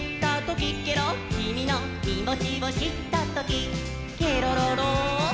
「キミのきもちをしったときケロロロッ！」